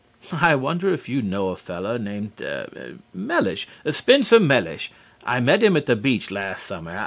I wonder if you know a fellow named er Mellish Spencer Mellish? I met him at the beach last summer.